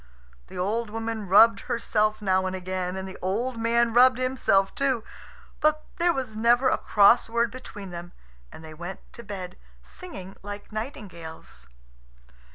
The old woman rubbed herself now and again. And the old man rubbed himself too. But there was never a cross word between them, and they went to bed singing like nightingales.